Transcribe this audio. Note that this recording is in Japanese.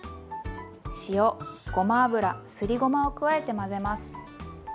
塩ごま油すりごまを加えて混ぜます。